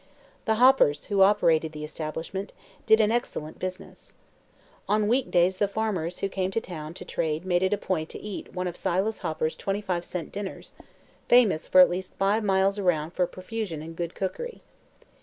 The Hoppers, who operated the establishment, did an excellent business. On week days the farmers who came to town to trade made it a point to eat one of Silas Hopper's twenty five cent dinners, famous for at least five miles around for profusion and good cookery.